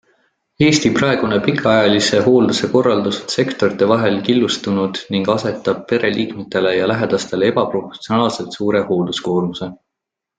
Eesti praegune pikaajalise hoolduse korraldus on sektorite vahel killustunud ning asetab pereliikmetele ja lähedastele ebaproportsionaalselt suure hoolduskoormuse.